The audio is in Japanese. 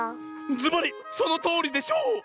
ずばりそのとおりでしょう！